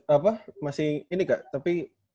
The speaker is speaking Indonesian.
apa masih ini kak tapi